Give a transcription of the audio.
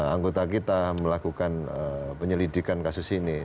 anggota kita melakukan penyelidikan kasus ini